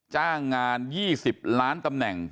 จ้างงาน๒๐ล้านตำแหน่ง